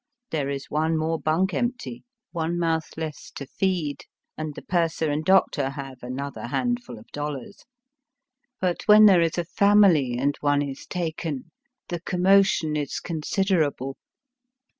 There is one more bunk empty, one mouth the less to feed, and the purser and doctor have another handful of dollars. But when there is a family and one is taken, the commotion is considerable.